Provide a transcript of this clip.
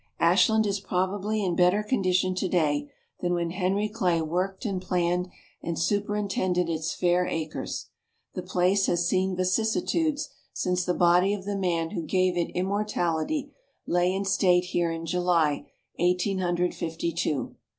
Ashland is probably in better condition today than when Henry Clay worked and planned, and superintended its fair acres. The place has seen vicissitudes since the body of the man who gave it immortality lay in state here in July, Eighteen Hundred Fifty two.